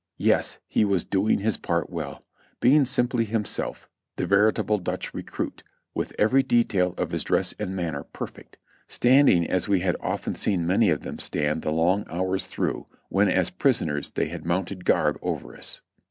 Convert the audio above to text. Yes, he was doing his part well, l^eing simply himself, the veri table Dutch recruit, with every detail of his dress and manner perfect, standing as we had often seen many of them stand the long hours through when as prisoners they had mounted guard over us.